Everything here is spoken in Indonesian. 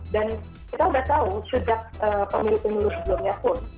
dan kita sudah tahu sejak pemilu pemilu sebelumnya pun